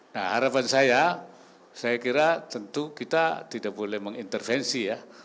nah harapan saya saya kira tentu kita tidak boleh mengintervensi ya